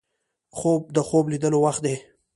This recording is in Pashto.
خوب د خوب لیدلو وخت دی